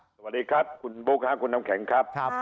สวัสดีครับคุณบุ๊คคุณน้ำแข็งครับ